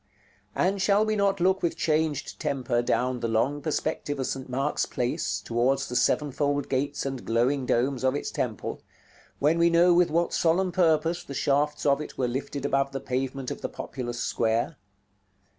And shall we not look with changed temper down the long perspective of St. Mark's Place towards the sevenfold gates and glowing domes of its temple, when we know with what solemn purpose the shafts of it were lifted above the pavement of the populous square?